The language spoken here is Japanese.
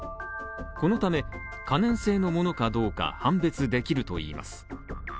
このため、可燃性のものかどうか判別できるといいます。